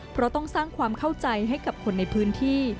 เพราะต้องสร้างความเข้าใจให้กับคนในพื้นที่